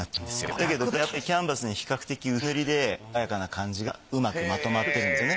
だけどこれやっぱりキャンバスに比較的薄塗りで爽やかな感じがうまくまとまってるんですよね。